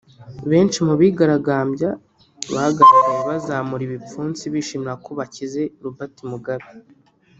Benshi mu bigaragambya bagaragaye bazamura ibipfunsi bishimira ko bakize Robert Mugabe